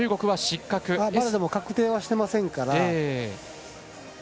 まだ確定はしてませんから。